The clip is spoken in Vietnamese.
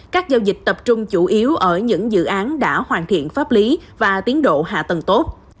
các giao dịch tập trung chủ yếu ở những dự án đã hoàn thiện pháp lý và tiến độ hạ tầng tốt